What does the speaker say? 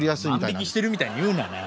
万引きしてるみたいに言うななあ。